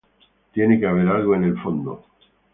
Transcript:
Tiene que haber algo en el fondo.